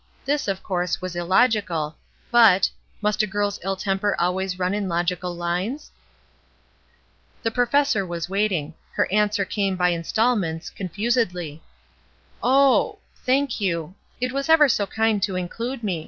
This, of course, was illogical, but— must a girl's ill temper always run in logical lines ? The professor was waiting. Her answer came by instalments, confusedly. ''Oh — thank you. It was ever so kind to include me.